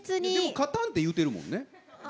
勝たんって言ってるもんね。